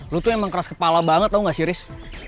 lo tuh emang keras kepala banget tau gak siris